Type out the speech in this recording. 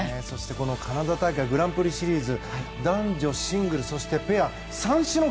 このカナダ大会グランプリシリーズ男女シングル、そしてペア３種目。